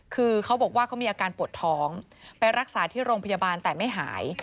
คือเขาบอกว่าเขามีอาการปวดท้องไปรักษาที่โรงพยาบาลแต่ไม่หาย